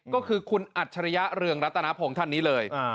ก็คือคุณอัจฉริยะเรืองรัตนพงศ์ท่านนี้เลย